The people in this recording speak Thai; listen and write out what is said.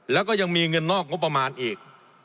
แล้วก็ยังมีเงินนอกงบประมาณอีก